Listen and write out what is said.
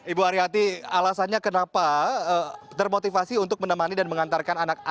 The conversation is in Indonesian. ibu aryati alasannya kenapa termotivasi untuk menemani dan mengantarkan anak anak